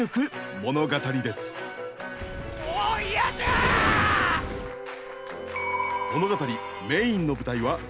物語メインの舞台は東海地方。